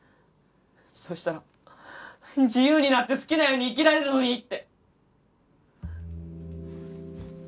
そしたら自由になって好きなように生きられるのにって。